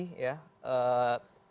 tata niaga produksi global ya